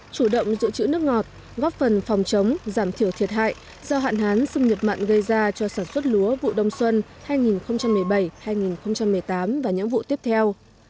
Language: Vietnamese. chủ động giữ chữ nước ngọt góp phần phòng chống giảm thiểu thiệt hại do hạn hán xâm nhập mặn gây ra cho sản xuất lúa vụ đông xuân hai nghìn một mươi bảy hai nghìn một mươi tám và những vụ tiếp theo